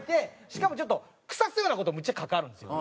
しかもちょっと腐すような事むっちゃ書きはるんですよ。